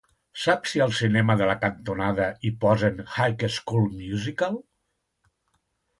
Saps si al cinema de la cantonada hi posen "High School Musical"?